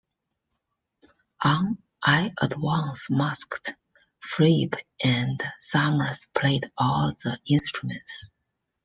On "I Advance Masked", Fripp and Summers played all the instruments.